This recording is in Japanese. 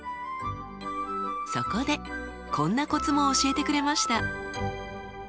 そこでこんなコツも教えてくれました。